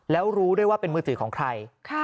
แล้วรู้ด้วยว่าเป็นมือถือของใคร